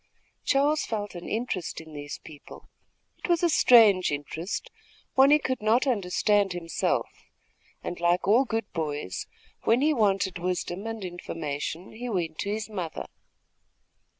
Charles felt an interest in these people. It was a strange interest, one he could not understand himself, and like all good boys, when he wanted wisdom and information, he went to his mother.